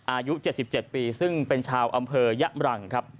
อายุ๗๗ปีซึ่งเป็นชาวอำเภอยะมรังครับ